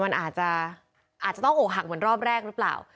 มันอาจจะอาจจะต้องโอ๊คหักเหมือนรอบแรกหรือป่าว